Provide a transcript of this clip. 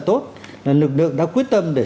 tốt là lực lượng đã quyết tâm để